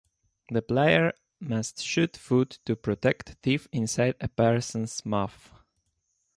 The player must shoot food to protect teeth inside a person's mouth.